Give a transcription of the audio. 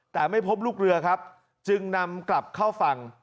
แต่ไม่พบลูกเรือครับจึงนำกลับเข้าฝั่ง